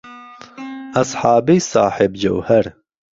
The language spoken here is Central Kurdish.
ئهسحابەی ساحێب جهوهەر